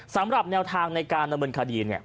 สำหรับแนวทางในการดำเนินคดีเนี่ย